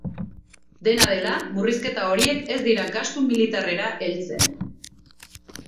Dena dela, murrizketa horiek ez dira gastu militarrera heltzen.